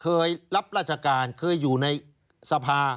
รับราชการเคยอยู่ในสภา